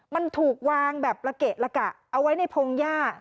มันถูกวางแบบละเกะละกะเอาไว้ในพงหญ้า